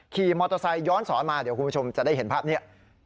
ขี่มอเตอร์ไซค์ย้อนสอนมาเดี๋ยวคุณผู้ชมจะได้เห็นภาพนี้